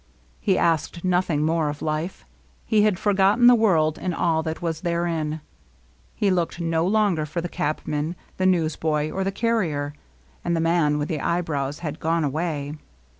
He asked nothing more of life. He had forgotten the world and all that was therein. He looked no longer for the cabman, the newsboy, or the carrier, and the man with the eyebrows had gone away.